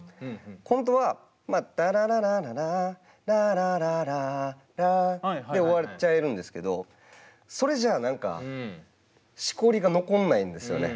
本当はタララララララララララで終わっちゃえるんですけどそれじゃあ何かしこりが残んないんですよね。